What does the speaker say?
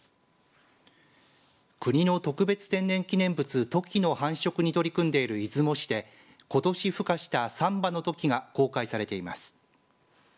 国の特別天然記念物トキの繁殖に取り組んでいる出雲市でことしふ化した３羽のトキが公開されています。